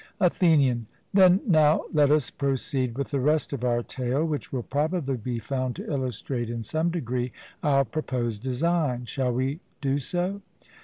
ATHENIAN: Then now let us proceed with the rest of our tale, which will probably be found to illustrate in some degree our proposed design: Shall we do so?